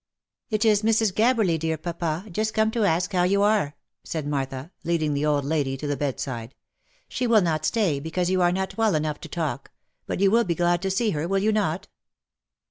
" It is Mrs. Gabberly, dear papa, just come to ask you how you are," said Martha, leading the old lady to the bedside. " She will not stay, because you are not well enough to talk; but you will be glad to see her, will you not?"